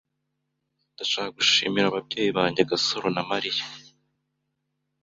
Ndashaka gushimira ababyeyi banjye, Gasaro na Mariya.